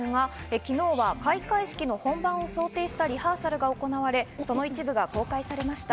昨日は開会式の本番を想定したリハーサルが行われ、その一部が公開されました。